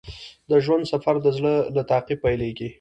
د ژوند سفر د زړه له تعقیب پیلیږي.